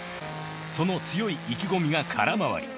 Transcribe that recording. その強い意気込みが空回り。